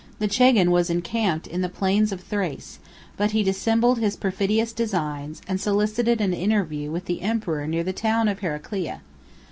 The chagan was encamped in the plains of Thrace; but he dissembled his perfidious designs, and solicited an interview with the emperor near the town of Heraclea.